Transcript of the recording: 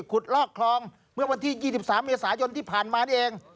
ลอกคลองเมื่อวันที่๒๓เมษายนที่ผ่านมานี่เอง